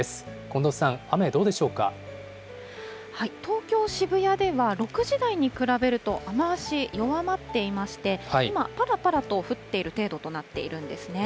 近藤さん、東京・渋谷では６時台に比べると、雨足、弱まっていまして、今、ぱらぱらと降っている程度となっているんですね。